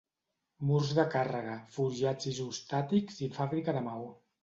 Murs de càrrega, forjats isostàtics i fàbrica de maó.